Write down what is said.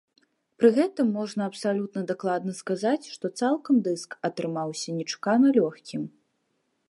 Пры гэтым можна абсалютна дакладна сказаць, што цалкам дыск атрымаўся нечакана лёгкім.